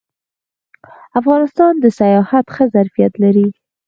افغانستان د سیاحت ښه ظرفیت لري